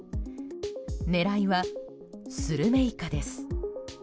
狙いはスルメイカです。